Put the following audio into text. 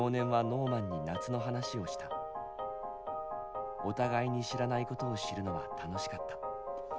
お互いに知らないことを知るのは楽しかった。